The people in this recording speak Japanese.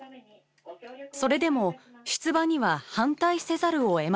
それでも出馬には反対せざるを得ませんでした。